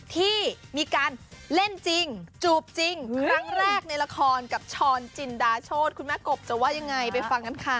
ที่มีการเล่นจริงจูบจริงครั้งแรกในละครกับช้อนจินดาโชธคุณแม่กบจะว่ายังไงไปฟังกันค่ะ